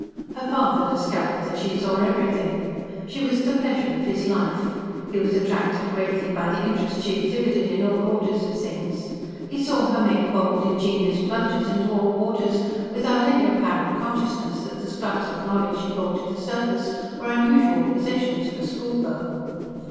Her father discovered that she saw everything. She was the pleasure of his life. He was attracted greatly by the interest she exhibited in all orders of things. He saw her make bold, ingenuous plunges into all waters, without any apparent consciousness that the scraps of knowledge she brought to the surface were unusual possessions for a schoolgirl.